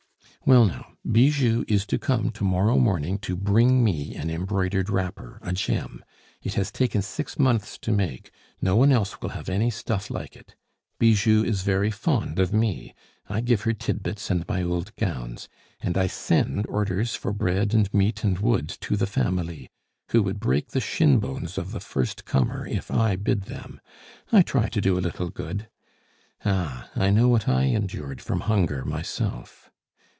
"Well, now, Bijou is to come to morrow morning to bring me an embroidered wrapper, a gem! It has taken six months to make; no one else will have any stuff like it! Bijou is very fond of me; I give her tidbits and my old gowns. And I send orders for bread and meat and wood to the family, who would break the shin bones of the first comer if I bid them. I try to do a little good. Ah! I know what I endured from hunger myself!